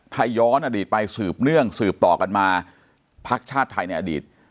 ถ้าย้อนอดีตไปสืบเนื่องสืบต่อกันมาพักชาติไทยในอดีต